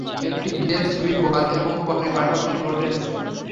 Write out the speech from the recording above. একটি বিয়ের ছবি-বর এবং কনে পাশাপাশি বসে আছে।